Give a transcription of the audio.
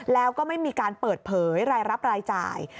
แล้วก็ไม่มีการเปิดเผยรายรับรายจ่าย